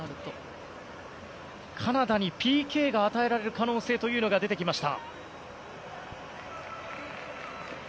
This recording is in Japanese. カナダにＰＫが与えられる可能性が出てきました。